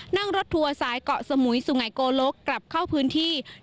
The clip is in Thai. นั่งรถทัวร์สายเกาะสมุยสุงัยโกลกกลับเข้าพื้นที่